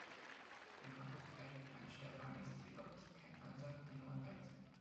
Am Campus Freising-Weihenstephan existiert offiziell kein Hörsaal mit der Nummer Dreizehn.